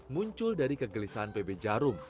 muncul dari kegelisahan pb jarum